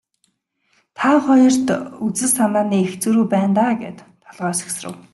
Та хоёрт үзэл санааны их зөрүү байна даа гээд толгой сэгсрэв.